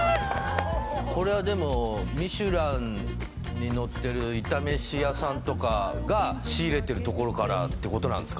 これはでもミシュランに載ってるイタメシ屋さんとかが仕入れてる所からってことなんですか？